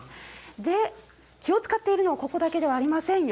気を遣っているのはここだけではありませんよ。